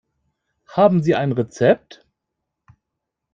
Haben Sie ein Rezept?